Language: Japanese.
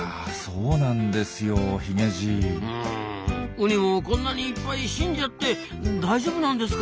うんウニもこんなにいっぱい死んじゃって大丈夫なんですか？